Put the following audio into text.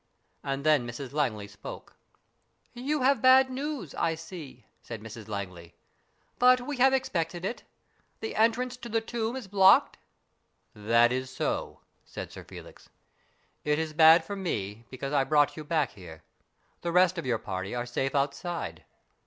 And then Mrs Langley spoke. " You have bad news, I see," said Mrs Langley. " But we have expected it. The entrance to the tomb is blocked ?"" That is so," said Sir Felix. " It is bad for me, because I brought you back here. The rest oi your party are safe outside.